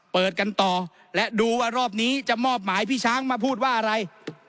เปิดกันต่อและดูว่ารอบนี้จะมอบหมายพี่ช้างมาพูดว่าอะไร